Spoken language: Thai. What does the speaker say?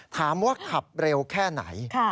ถามว่าขับเร็วแค่ไหน